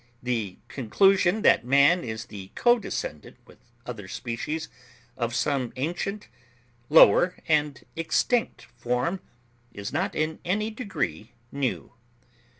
The conclusion that man is the co descendant with other species of some ancient, lower, and extinct form, is not in any degree new.